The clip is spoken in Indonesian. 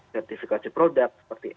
sertifikasi produk seperti